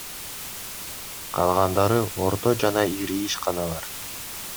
Калгандары — орто жана ири ишканалар.